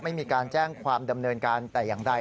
ไม่มีการแจ้งความดำเนินการแต่อย่างใด